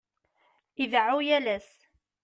Ideɛɛu yal ass.